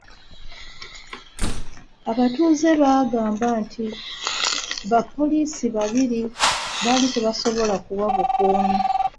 Abatuuze baagamba nti bapoliisi babiri baali tebasobola kuwa bukuumi.